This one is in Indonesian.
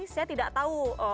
saya tidak tahu